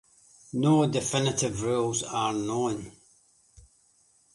No definitive rules are known.